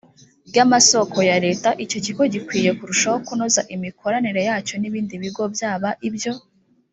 ry amasoko ya leta icyo kigo gikwiye kurushaho kunoza imikoranire yacyo n ibindi bigo byaba ibyo